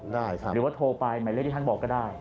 หรือว่าโทรไปหมายเลขที่ท่านบอกก็ได้